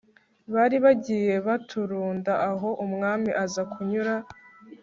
bari bagiye baturunda aho umwami aza kunyura